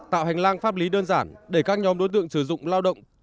tạo hành lang pháp lý đơn giản để các nhóm đối tượng sử dụng lao động